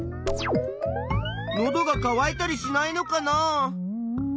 のどがかわいたりしないのかな？